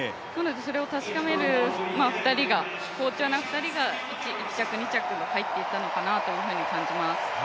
それを確かめる２人が、好調な２人が１着、２着に入っていたのかなというふうに感じます。